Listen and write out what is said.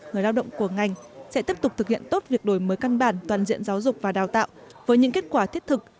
người lao động của ngành sẽ tiếp tục thực hiện tốt việc đổi mới căn bản toàn diện giáo dục và đào tạo với những kết quả thiết thực